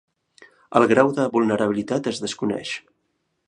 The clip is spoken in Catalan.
El grau de vulnerabilitat es desconeix.